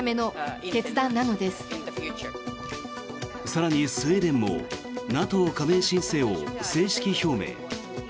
更にスウェーデンもＮＡＴＯ加盟申請を正式表明。